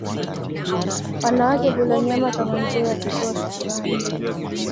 Wanawake hula nyama kama njia ya kutoa shukurani